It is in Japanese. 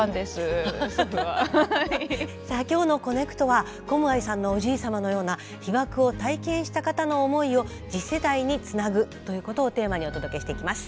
さあ今日の「コネクト」はコムアイさんのおじい様のような「被爆を体験した方の思いを次世代につなぐ」ということをテーマにお届けしていきます。